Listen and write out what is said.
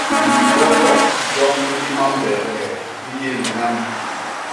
Libogok joñ li mambegee li yé lilam!